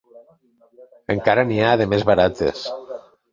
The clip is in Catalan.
Encara n'hi ha de més barates.